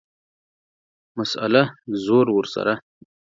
مسئله ، زور ورسره.